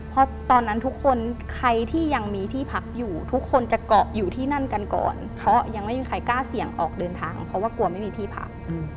เพราะตอนนั้นทุกคนใครที่ยังมีที่พักอยู่ทุกคนจะเกาะอยู่ที่นั่นกันก่อนเพราะยังไม่มีใครกล้าเสี่ยงออกเดินทางเพราะว่ากลัวไม่มีที่พัก